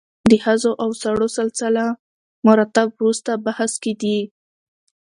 د ښځو او سړو سلسله مراتب وروسته بحث کې دي.